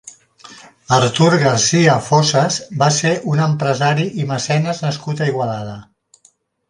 Artur Garcia Fossas va ser un empresari i mecenes nascut a Igualada.